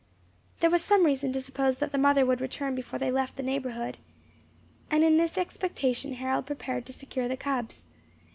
There was some reason to suppose that the mother would return before they left the neighbourhood, and in this expectation Harold prepared to secure the cubs.